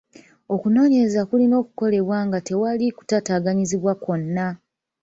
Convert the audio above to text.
Okunoonyereza kulina okukolebwa nga tewali kutaataaganyizibwa kwonna.